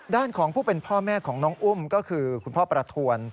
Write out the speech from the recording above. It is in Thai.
ด้านของผู้เป็นพ่อแม่ของน้องอุ้มก็คือคุณพ่อประทวน